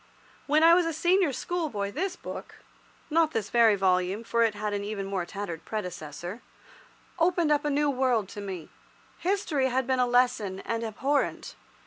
When I was a senior schoolboy this book—not this very volume, for it had an even more tattered predecessor—opened up a new world to me. History had been a lesson and abhorrent.